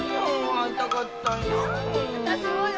会いたかったんよ。